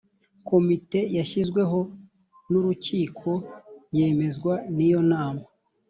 komite yashyizweho n’urukiko yemezwa n’iyo nama